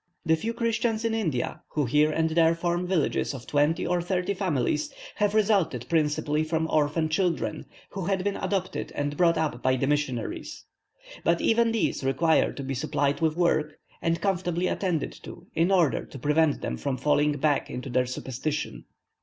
The few Christians in India, who here and there form villages of twenty or thirty families, have resulted principally from orphan children, who had been adopted and brought up by the missionaries; but even these require to be supplied with work, and comfortably attended to, in order to prevent them from falling back into their superstitions.